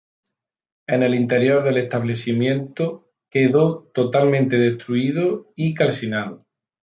El interior del establecimiento quedó totalmente destruido y calcinado.